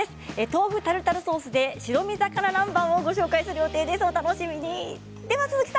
豆腐タルタルソースで白身魚南蛮をご紹介する予定です。